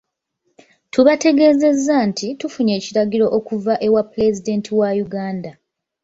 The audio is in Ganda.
Tubategeezezza nti tufunye ekiragiro okuva ewa Pulezidenti wa Uganda.